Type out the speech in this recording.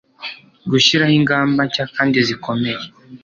gushyiraho ingamba nshya kandi zikomeye